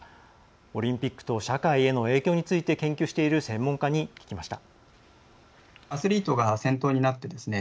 オリンピックと社会への影響について研究している専門家に聞きました。